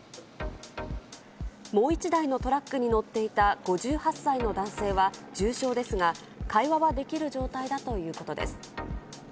もう１台のトラックに乗っていた５８歳の男性は重傷ですが、会話はできる状態だということです。